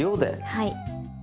はい。